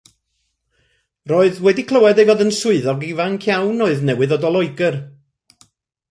Roedd wedi clywed ei fod yn swyddog ifanc iawn oedd newydd ddod o Loegr.